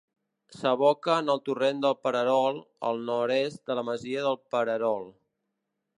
S'aboca en el torrent del Pererol al nord-est de la masia del Pererol.